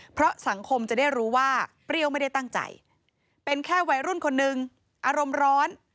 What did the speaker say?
เพราะสังคมจะได้รู้ว่าเปรี้ยวไม่ได้ตั้งใจเป็นแค่วัยรุ่นคนนึงอารมณ์ร้อน